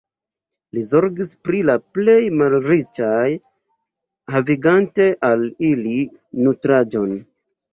Li zorgis pri la plej malriĉaj, havigante al ili nutraĵon.